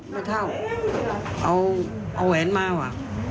มัดเท่าเอาแวนมาวะ